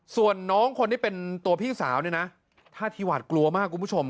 ส่วนน้องคนที่เป็นตัวพี่สาวเนี่ยนะท่าทีหวาดกลัวมากคุณผู้ชม